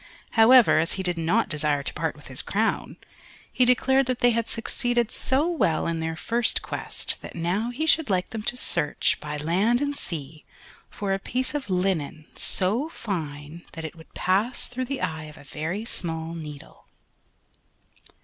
However as he did not desire to part with his crown, he declared that they had succeeded so well in their first quest that now he should like them to search, by land and sea, for a piece of linen so fine that it would pass through the eye of a very small needle.